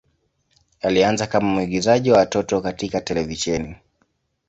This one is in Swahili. Alianza kama mwigizaji wa watoto katika televisheni.